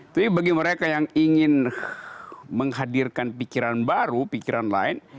jadi bagi mereka yang ingin menghadirkan pikiran baru pikiran lain